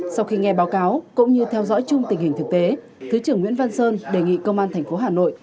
sau khi nghe báo cáo cũng như theo dõi chung tình hình thực tế thứ trưởng nguyễn văn sơn đề nghị công an tp hà nội